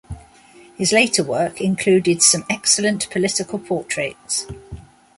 His later work included some excellent political portraits.